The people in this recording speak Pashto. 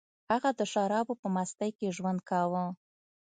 هغه د شرابو په مستۍ کې ژوند کاوه